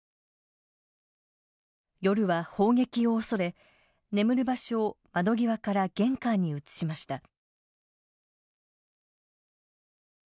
夜は砲撃を恐れ眠る場所を窓際から玄関に移しました。